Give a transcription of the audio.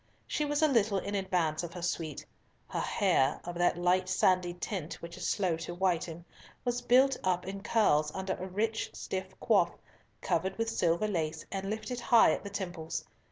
She was a little in advance of her suite. Her hair, of that light sandy tint which is slow to whiten, was built up in curls under a rich stiff coif, covered with silver lace, and lifted high at the temples.